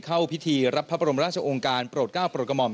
เข้าพิธีรับพระบรมราชองการโปรด๙ปรกมม